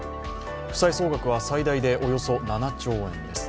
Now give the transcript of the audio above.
負債総額は最大でおよそ７兆円です